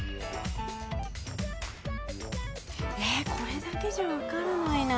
えっこれだけじゃ分からないな。